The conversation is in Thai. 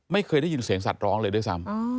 ไม่เคยได้ยินเสียงสัตว์ร้องเลยด้วยซ้ำ